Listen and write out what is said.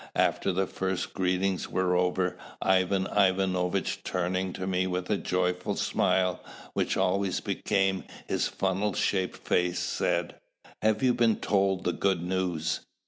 After the first greetings were over, Ivan Ivanovitch, turning to me with a joyful smile which always became his funnel shaped face, said, "Have you been told the good news?"